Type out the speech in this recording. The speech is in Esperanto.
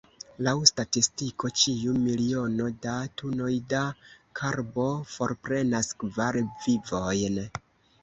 Laŭ statistiko, ĉiu miliono da tunoj da karbo forprenas kvar vivojn.